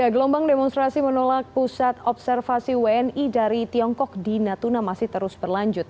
gelombang demonstrasi menolak pusat observasi wni dari tiongkok di natuna masih terus berlanjut